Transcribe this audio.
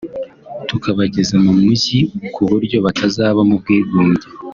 tukabageza mu mujyi ku buryo batazaba mu bwigunge